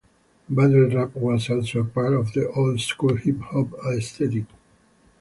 Battle rap was also a part of the old school hip hop aesthetic.